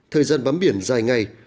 thời gian bám biển dài ngày